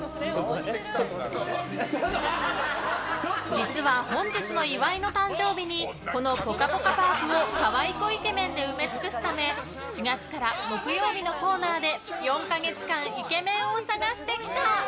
実は本日の岩井の誕生日にこのぽかぽかパークをかわいこイケメンで埋め尽くすため４月から木曜日のコーナーで４か月間、イケメンを探してきた。